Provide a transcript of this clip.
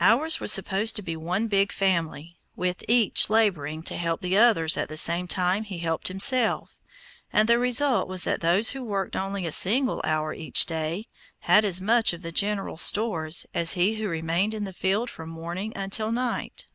Ours was supposed to be one big family, with each laboring to help the others at the same time he helped himself, and the result was that those who worked only a single hour each day, had as much of the general stores as he who remained in the field from morning until night.